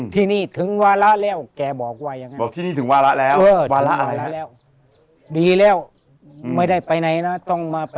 ที่นี่ถึงวาระแล้วแกบอกว่าอย่างนั้น